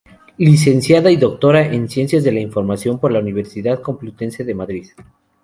Licenciada y Doctora en Ciencias de la Información por la Universidad Complutense de Madrid.